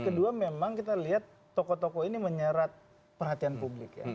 kedua memang kita lihat tokoh tokoh ini menyerat perhatian publik ya